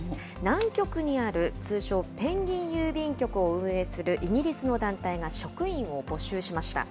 南極にある通称、ペンギン郵便局を運営するイギリスの団体が職員を募集しました。